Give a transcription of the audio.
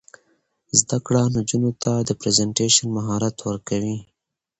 زده کړه نجونو ته د پریزنټیشن مهارت ورکوي.